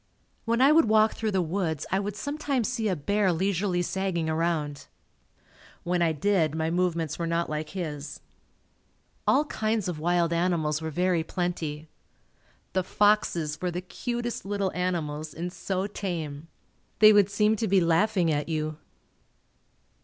When I would walk through the woods I would sometimes see a bear leisurely sagging around. When I did, my movements were not like his. All kinds of wild animals were very plenty. The foxes were the cutest little animals and so tame. They would seem to be laughing at you.